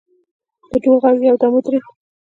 د ډول غږ یو دم ودرېد.